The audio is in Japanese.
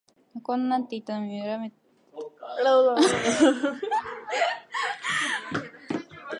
横になっていたために乱れてしまった頭髪にまで気がついて、ちょっとのあいだ身体を起こし、ナイトキャップからはみ出た髪形をなおしていた。